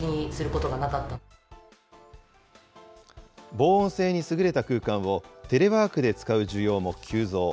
防音性に優れた空間をテレワークで使う需要も急増。